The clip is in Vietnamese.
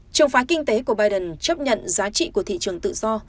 trường phái kinh tế của biden chấp nhận giá trị của thị trường tự do